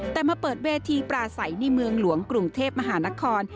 แต่มาเปิดเวทีปลาใสในเมืองหลวงกรุงเทพมหานคร